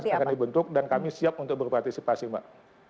akan dibentuk dan kami siap untuk berpartisipasi mbak